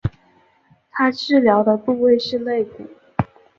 她治疗的部位是肋骨。